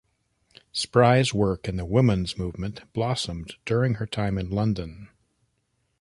Spry's work in the women's movement blossomed during her time in London.